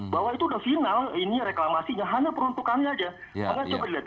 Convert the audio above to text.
bahwa itu udah final ini reklamasinya hanya peruntukannya aja